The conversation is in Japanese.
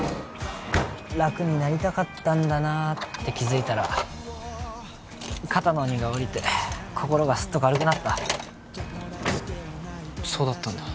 楽になりたかったんだなあって気づいたら肩の荷が下りて心がスッと軽くなったそうだったんだ